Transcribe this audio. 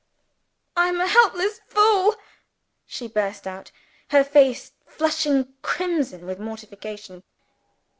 "I am a helpless fool!" she burst out; her face flushing crimson with mortification.